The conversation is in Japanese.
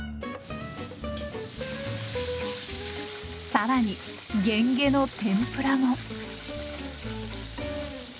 更にゲンゲの天ぷらも。